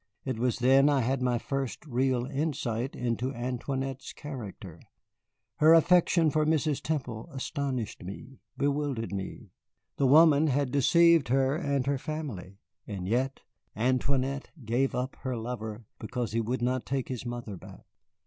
It was then I had my first real insight into Antoinette's character. Her affection for Mrs. Temple astonished me, bewildered me. The woman had deceived her and her family, and yet Antoinette gave up her lover because he would not take his mother back.